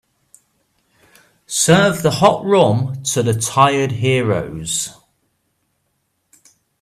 Serve the hot rum to the tired heroes.